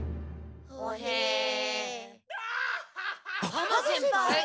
浜先輩？